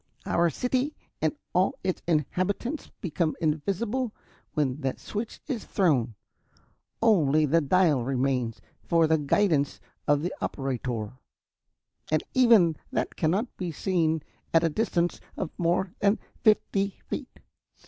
"Our city and all its inhabitants become invisible when that switch is thrown. Only the dial remains, for the guidance of the operator, and even that cannot be seen at a distance of more than fifty feet.